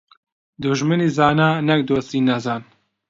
دوژمنی زانا، نەک دۆستی نەزان.